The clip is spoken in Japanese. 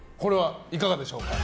いかがでしょうか？